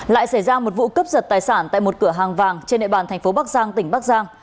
lại xảy ra một vụ cấp giật tài sản tại một cửa hàng vàng trên nệ bàn tp bắc giang tỉnh bắc giang